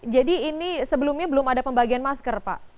jadi ini sebelumnya belum ada pembagian masker pak